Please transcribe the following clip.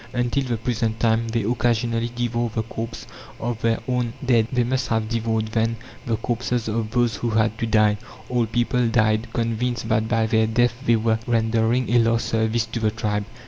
Until the present time, they occasionally devour the corpses of their own dead: they must have devoured then the corpses of those who had to die. Old people died, convinced that by their death they were rendering a last service to the tribe.